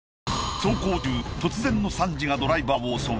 走行中突然の惨事がドライバーを襲う。